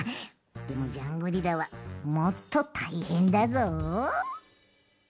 でもジャングリラはもっとたいへんだぞ。